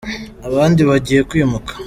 abandi bagiye kwimuka.